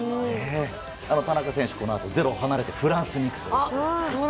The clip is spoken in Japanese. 田中選手、このあと「ｚｅｒｏ」を離れてフランスへ行くと。